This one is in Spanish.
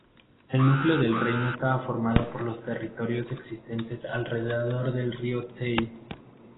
El núcleo del reino estaba formado por los territorios existentes alrededor del río Tay.